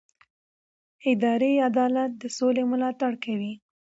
اداري عدالت د سولې ملاتړ کوي